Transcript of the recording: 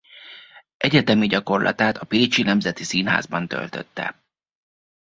Egyetemi gyakorlatát a Pécsi Nemzeti Színházban töltötte.